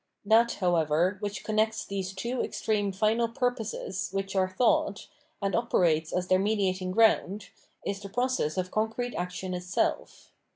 That, however, which connects these two extreme final purposes which are thought, and operates as their mediating ground, is the process of concrete action itself.